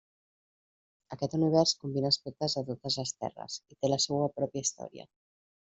Aquest univers combina aspectes de totes les terres, i té la seua pròpia història.